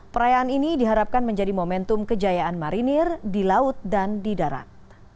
perayaan ini diharapkan menjadi momentum kejayaan marinir di laut dan di darat